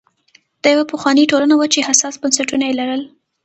دا یوه پخوانۍ ټولنه وه چې حساس بنسټونه یې لرل.